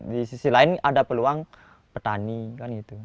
di sisi lain ada peluang petani kan gitu